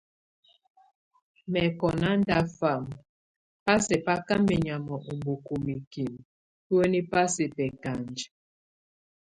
Mɛkɔ nándafam bá sɛk bá ka menyam oboko mikim bueni ba sɛk bekanj.